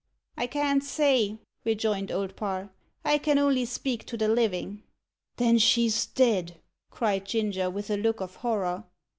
"I can't say," rejoined Old Parr. "I can only speak to the living." "Then she's dead!" cried Ginger, with a look of horror.